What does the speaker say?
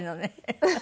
フフ。